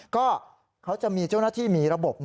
ก็เขาจะมีเจ้าหน้าที่มีระบบ